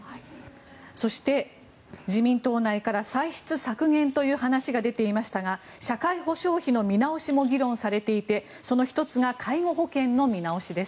そして自民党内から歳出削減という話が出ていましたが社会保障費の見直しも議論されていてその１つが介護保険の見直しです。